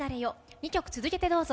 ２曲続けて、どうぞ。